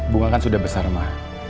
bunga kan sudah besar mah